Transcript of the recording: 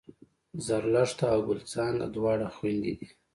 زرلښته او ګل څانګه دواړه خوېندې دي